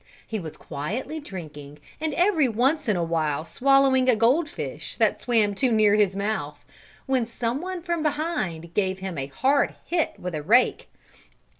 He was quietly drinking and every once in a while swallowing a goldfish that swam too near his mouth, when someone from behind gave him a hard hit with a rake.